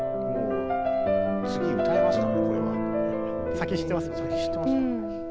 先知ってますよね。